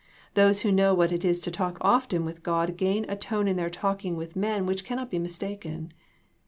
Those who know what it is to talk often with God gain a tone in their talking with men which cannot be mistaken.